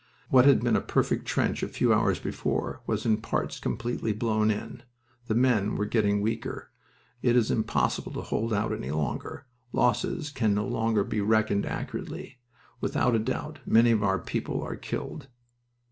What had been a perfect trench a few hours before was in parts completely blown in... The men are getting weaker. It is impossible to hold out any longer. Losses can no longer be reckoned accurately. Without a doubt many of our people are killed."